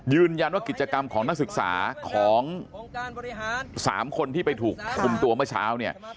ยืนยันว่ากิจกรรมของนักศึกษาของ๓คนที่ไปถูกคุมตัวเมื่อเช้าเนี่ย